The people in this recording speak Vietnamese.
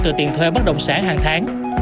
từ tiền thuê bất đồng sản hàng tháng